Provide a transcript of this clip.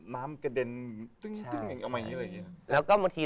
น้ำกระเด็นตึ้งอย่างงี้